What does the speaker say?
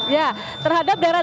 ya terhadap daerah daerah